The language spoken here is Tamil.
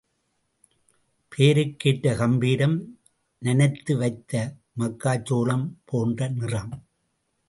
பெயருக்கேற்ற கம்பீரம், நனைத்து வைத்த மக்காச்சோளம் போன்ற நிறம்.